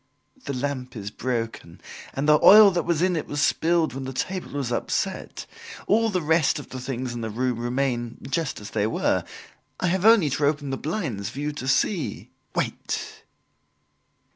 "The lamp is broken and the oil that was in it was spilled when the table was upset. All the rest of the things in the room remain just as they were. I have only to open the blinds for you to see." "Wait."